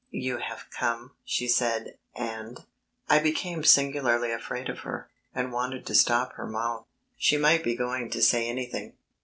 "You have come," she said, "and ..." I became singularly afraid of her; and wanted to stop her mouth. She might be going to say anything.